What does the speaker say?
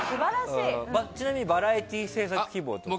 ちなみにバラエティー制作希望ですか？